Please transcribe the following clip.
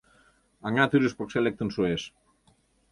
Аҥа тӱрыш пыкше лектын шуэш.